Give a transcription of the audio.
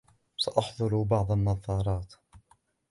سأحضر بعض النظارات.